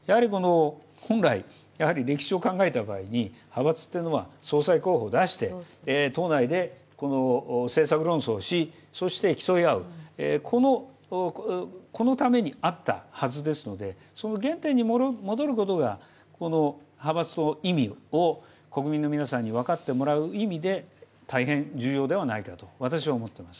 本来、歴史を考えた場合に派閥っていうのは候補を出して党内で政策論争をし、そして競い合う、このためにあったはずですので、原点に戻ることがこの派閥の意味を国民の皆さんに分かってもらう意味で大変重要ではないかと私は思っています。